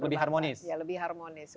lebih harmonis ya lebih harmonis